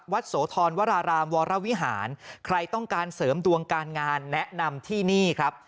โสธรวรารามวรวิหารใครต้องการเสริมดวงการงานแนะนำที่นี่ครับ